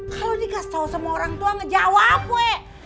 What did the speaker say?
kalau dikasih tahu sama orang tua ngejawab we